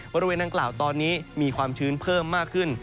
บริเวณดังกล่าวตอนนี้มีความชื้นเพิ่มมากขึ้น